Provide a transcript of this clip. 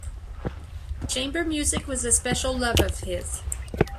Chamber music was a special love of his.